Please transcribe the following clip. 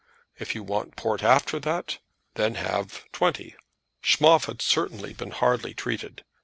If you want port after that, then have '20." Schmoff had certainly been hardly treated.